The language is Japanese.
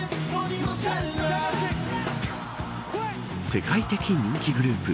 世界的人気グループ